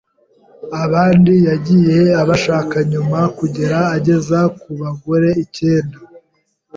abandi yagiye abashaka nyuma kugera ageze ku bagore icyenda